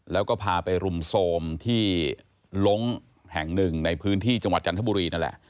แล้วก็พาไปรุมโทรมที่ลงแห่งหนึ่งในพื้นที่จังหวัดจันทบุรีนั่นแหละ